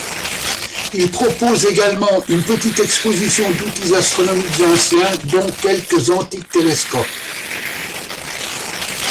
Il propose également une petite exposition d'outils astronomiques anciens dont quelques antiques télescopes.